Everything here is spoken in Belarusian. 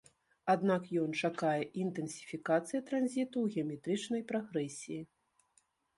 Аднак ён чакае інтэнсіфікацыі транзіту ў геаметрычнай прагрэсіі.